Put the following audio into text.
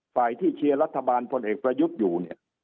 ภายที่เชียรัฐบาลพลเอกปรยุทธ์อยู่